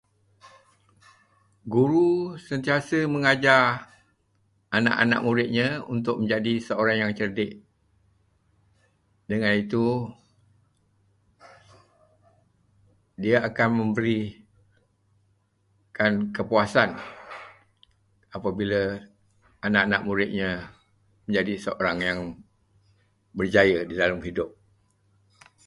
Guru sentiasa mengajar anak-anak muridnya untuk menjadi seorang yang cerdik. Dengan itu, dia akan memberikan kepuasan apabila anak-anak muridnya menjadi seorang yang berjaya di dalam hidup.